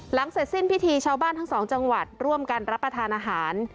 เสร็จสิ้นพิธีชาวบ้านทั้งสองจังหวัดร่วมกันรับประทานอาหาร